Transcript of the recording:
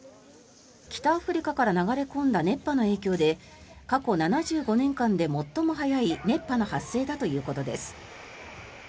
北アフリカから流れ込んだ熱波の影響で過去７５年間で最も早い熱波の発生だということです。